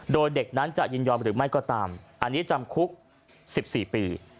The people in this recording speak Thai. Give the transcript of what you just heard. โดยเด็กนั้นจะยินยอมหรือไม่ก็ตามอันนี้จำคุก๑๔ปี